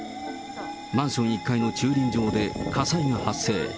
マンション１階の駐輪場で火災が発生。